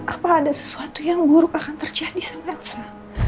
apa ada sesuatu yang buruk akan terjadi sama elsa